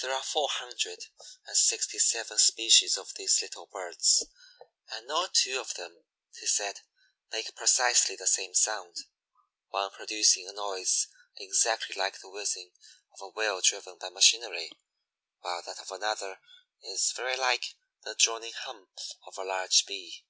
There are four hundred and sixty seven species of these little birds, and no two of them, 'tis said, make precisely the same sound, one producing a noise exactly like the whizzing of a wheel driven by machinery, while that of another is very like the droning hum of a large Bee.